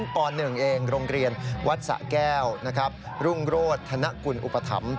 ตอนหนึ่งเองโรงเรียนวัฒน์สะแก้วรุงโรธธนกุลอุปธรรม